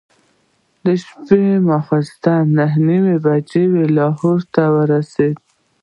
شپه ماخوستن نهه نیمې بجې لاهور ته ورسېدو.